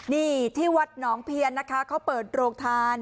นี่ที่วัดหนองเพียนนะคะเขาเปิดโรงทาน